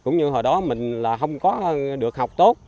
cũng như hồi đó mình là không có được học tốt